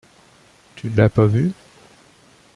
Tu ne l'as pas vue ?